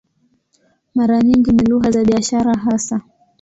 Mara nyingi ni lugha za biashara hasa.